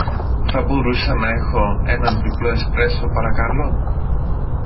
θα μπορούσα να έχω έναν διπλό εσπρέσο, παρακαλώ